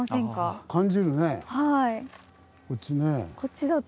こっちね。